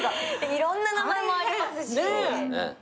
いろんな名前もありますし。